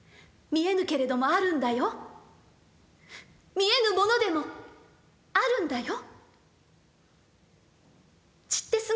見えぬけれどもあるんだよ、見えぬものでもあるんだよ」。